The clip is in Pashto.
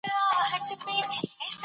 استغفار د رزق د بندو دروازو کیلي ده.